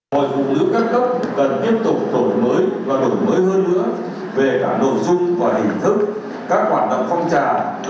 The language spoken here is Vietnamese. mọi phụ nữ các cấp cần tiếp tục tổn mới và đổi mới hơn nữa